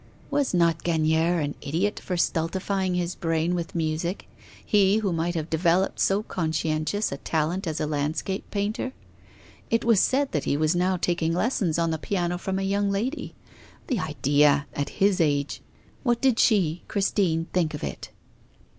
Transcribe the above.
Was not Gagnière an idiot for stultifying his brain with music, he who might have developed so conscientious a talent as a landscape painter? It was said that he was now taking lessons on the piano from a young lady the idea, at his age! What did she, Christine, think of it?